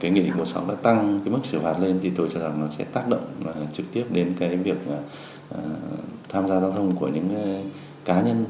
nghị định một mươi sáu đã tăng cái mức xử phạt lên thì tôi cho rằng nó sẽ tác động trực tiếp đến cái việc tham gia giao thông của những cá nhân